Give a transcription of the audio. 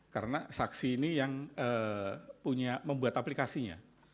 karena saksi ini yang membuat aplikasinya